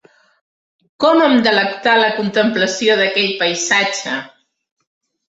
Com em delectà la contemplació d'aquell paisatge!